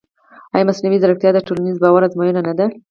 ایا مصنوعي ځیرکتیا د ټولنیز باور ازموینه نه ده؟